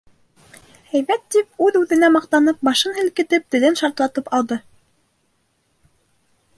Һәйбәт тип, үҙ-үҙенә маҡтанып, башын һелкетеп, телен шартлатып алды.